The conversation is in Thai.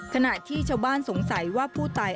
ขณะที่ชาวบ้านสงสัยว่าผู้ตาย